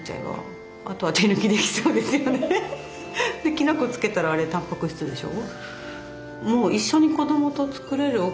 きな粉つけたらあれたんぱく質でしょ。